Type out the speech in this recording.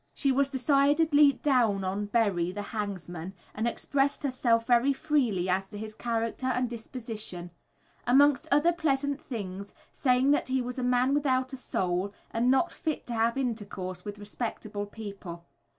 She was decidedly "down on" Berry, "the hangsman," and expressed herself very freely as to his character and disposition; amongst other pleasant things, saying that he was a man without a soul, and not fit to have intercourse with respectable people.